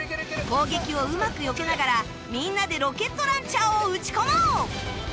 攻撃をうまくよけながらみんなでロケットランチャーを撃ち込もう！